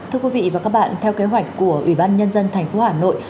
thưa quý vị và các bạn theo kế hoạch của ủy ban nhân dân tp hà nội